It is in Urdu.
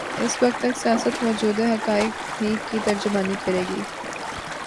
اس وقت تک سیاست موجود حقائق ہی کی ترجمانی کرے گی۔